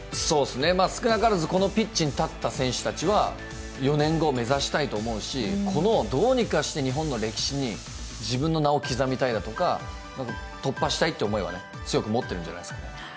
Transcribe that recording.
少なからずこのピッチに立った選手たちは４年後を目指したいと思うしこのどうにかして日本の歴史に自分の名を刻みたいだとか突破したいという思いは強く持ってるんじゃないですかね。